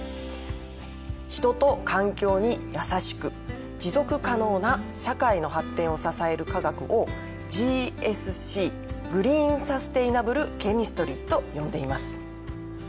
人と環境にやさしく持続可能な社会の発展を支える化学をＧＳＣグリーン・サステイナブルケミストリーと呼んでいます。